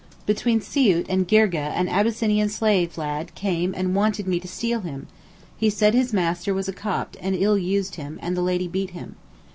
Between Siout and Girgeh an Abyssinian slave lad came and wanted me to steal him; he said his master was a Copt and ill used him, and the lady beat him.